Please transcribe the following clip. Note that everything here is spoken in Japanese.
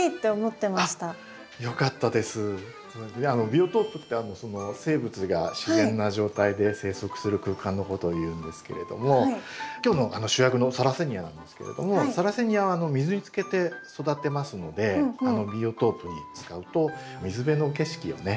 ビオトープって生物が自然な状態で生息する空間のことをいうんですけれども今日の主役のサラセニアなんですけれどもサラセニアは水につけて育てますのでビオトープに使うと水辺の景色をね